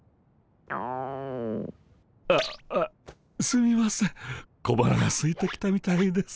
あすみません小腹がすいてきたみたいです。